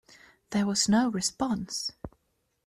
There was no response.